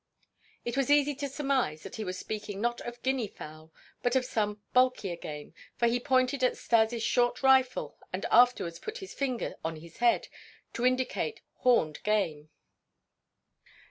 It was easy to surmise that he was speaking not of guinea fowl but of some bulkier game, for he pointed at Stas' short rifle and afterwards put his fingers on his head to indicate horned game.